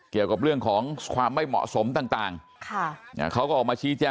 เกี่ยวกับเรื่องของความไม่เหมาะสมต่างเขาก็ออกมาชี้แจง